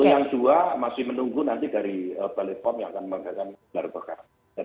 yang dua masih menunggu nanti dari bipom yang akan mengangkatkan gelar perkara